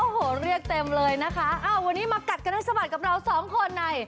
โอ้โหเรียกเต็มเลยนะคะวันนี้มากัดกันให้สะบัดกับเราสองคนใน